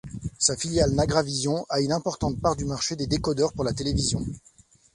Sa filiale Nagravision a une importante part du marché des décodeurs pour la télévision.